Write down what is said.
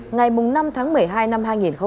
ngày năm tháng một mươi hai năm hai nghìn hai mươi